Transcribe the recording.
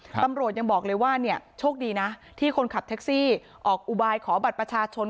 ตำรวจยังบอกเลยว่าเนี่ยโชคดีนะที่คนขับแท็กซี่ออกอุบายขอบัตรประชาชน